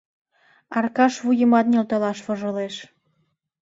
— Аркаш вуйымат нӧлталаш вожылеш.